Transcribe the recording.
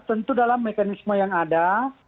tentu dalam mekanisme yang ada